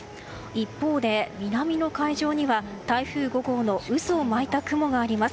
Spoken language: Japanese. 一方で、南の海上には台風５号の渦を巻いた雲があります。